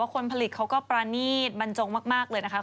ตามผู้ที่มาเราเป็นเหง่าแบบบุญใช้ทาง